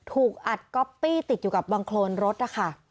ถูกอัดก๊อปปี้ติดอยู่กับบังโครนรถนะคะ